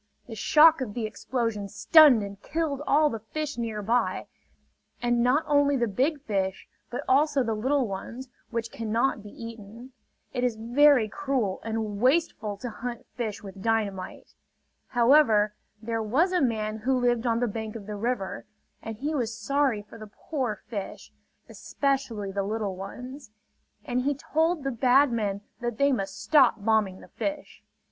The shock of the explosion stunned and killed all the fish nearby; and not only the big fish, but also the little ones, which cannot be eaten. It is very cruel and wasteful to hunt fish with dynamite. However, there was a man who lived on the bank of the river; and he was sorry for the poor fish, especially the little ones; and he told the bad men that they must stop bombing the fish.